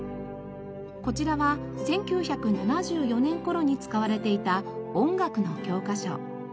こちらは１９７４年頃に使われていた音楽の教科書。